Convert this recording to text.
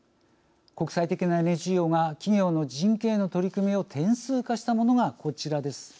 国際的なＮＧＯが企業の人権への取り組みを点数化したものがこちらです。